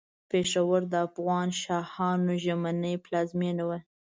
پېښور د افغان شاهانو ژمنۍ پلازمېنه وه.